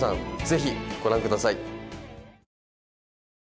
ぜひご覧ください。